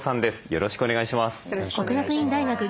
よろしくお願いします。